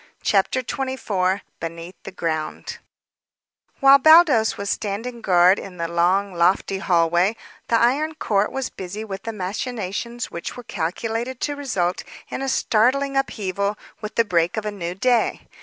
CHAPTER XXIV BENEATH THE GROUND While Baldos was standing guard in the long, lofty hallway the Iron Count was busy with the machinations which were calculated to result in a startling upheaval with the break of a new day.